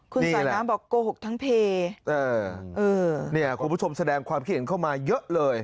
คุณสายน้ำบอกโกหกทั้งเพย์เนี่ยคุณผู้ชมแสดงความคิดเห็นเข้ามาเยอะเลย